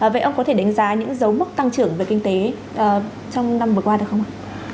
vậy ông có thể đánh giá những dấu mức tăng trưởng về kinh tế trong năm vừa qua được không ạ